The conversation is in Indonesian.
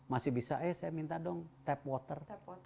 masih bisa saya minta tap water